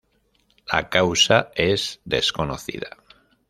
La causa es desconocida.